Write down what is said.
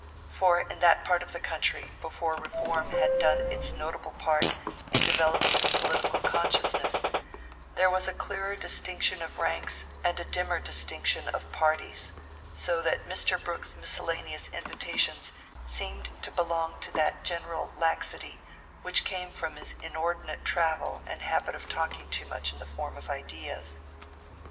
For in that part of the country, before reform had done its notable part in developing the political consciousness, there was a clearer distinction of ranks and a dimmer distinction of parties; so that Mr. Brooke's miscellaneous invitations seemed to belong to that general laxity which came from his inordinate travel and habit of taking too much in the form of ideas.